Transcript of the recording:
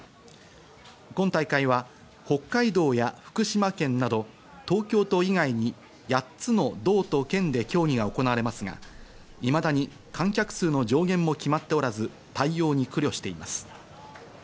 今大会は北海道や福島県など東京都以外に８つの道と県で競技が行われますが、いまだに観客数の上限も決まっておらず、対応に苦慮しています。